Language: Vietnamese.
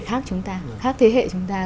khác chúng ta khác thế hệ chúng ta